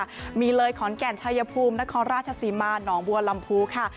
เลยมีเลยขอนแก่นชายภูมินครราชศรีมาหนองบัวลำพูค่ะ